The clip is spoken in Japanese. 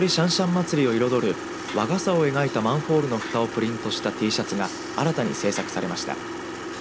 祭を彩る和傘を描いたマンホールのふたをプリントしたＴシャツが新たに制作されました。